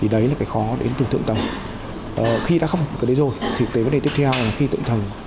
và khi đã không có cái đấy rồi thì tới vấn đề tiếp theo là khi tượng thần